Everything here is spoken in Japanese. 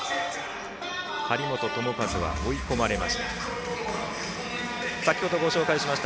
張本智和は追い込まれました。